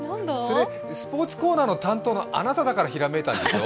スポーツコーナーの担当のあなただからひらめいたんでしょう？